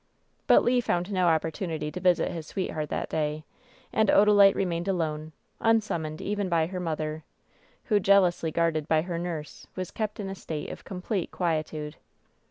But Le found no opportunity to visit his sweetheart that day, and Odalite remained alone, unsummoned even by her mother, who, jealously guarded by her nurse, was kept in a state of complete quietude.